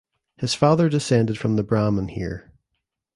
His father descended from the Brahmin here.